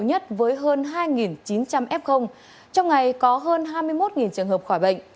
hôm nay có hơn hai mươi một trường hợp khỏi bệnh